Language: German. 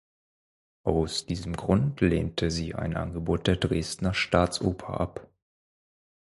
Aus diesem Grund lehnte sie ein Angebot der Dresdner Staatsoper ab.